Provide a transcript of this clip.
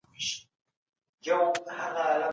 که معنوي کلتور هير سي ټولنه به له ستونزو سره مخ سي.